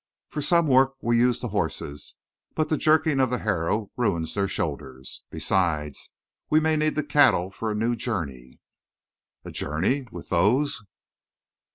"For some work we use the horses, but the jerking of the harrow ruins their shoulders. Besides, we may need the cattle for a new journey." "A journey? With those?"